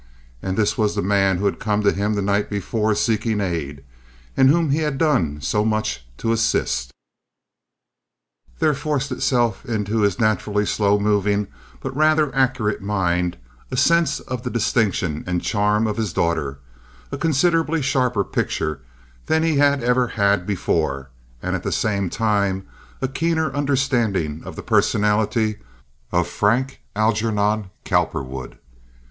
And this was the man who had come to him the night before seeking aid—whom he had done so much to assist. There forced itself into his naturally slow moving but rather accurate mind a sense of the distinction and charm of his daughter—a considerably sharper picture than he had ever had before, and at the same time a keener understanding of the personality of Frank Algernon Cowperwood.